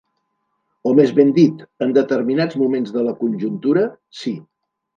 O més ben dit, en determinats moments de la conjuntura, sí.